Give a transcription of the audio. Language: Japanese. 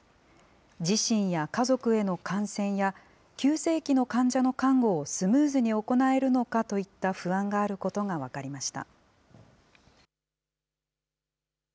自身や家族への感染や、急性期の患者の看護をスムーズに行えるのかといった不安があることが分かりました。